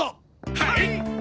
はい！